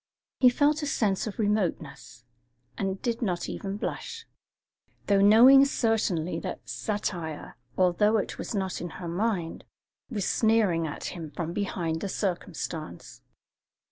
He felt a sense of remoteness, and did not even blush, though knowing certainly that satire, although it was not in her mind, was sneering at him from behind the circumstance.